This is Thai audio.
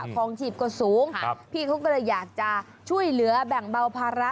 คลองชีพก็สูงพี่เขาก็เลยอยากจะช่วยเหลือแบ่งเบาภาระ